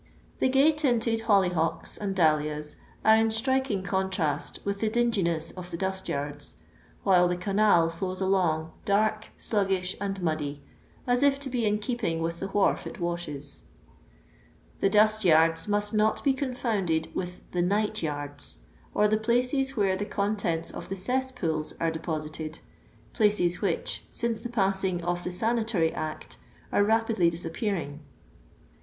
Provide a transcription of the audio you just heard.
The gay tinted holly hocks and dahlias are in striking contrast with the dinginess of the dust yards, while the canal flows along, dark, sluggish, and muddy, as if to be in keep ing with the wharf it washes. The dunt yards must not be confounded with the " night yard?," or the places where the con tents of iho cesspools are deposited, places which, since the passing of the Sanatory Act, are rapidly disappearing.